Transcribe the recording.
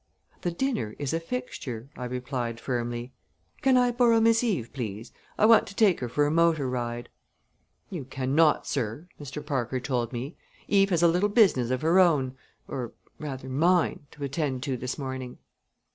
"The dinner is a fixture," I replied firmly. "Can I borrow Miss Eve, please? I want to take her for a motor ride." "You cannot, sir," Mr. Parker told me. "Eve has a little business of her own or, rather, mine to attend to this morning."